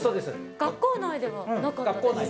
学校内ではなかったです。